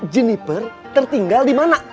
jeniper tertinggal di mana